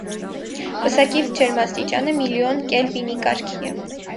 Պսակի ջերմաստիճանը միլիոն կելվինի կարգի է։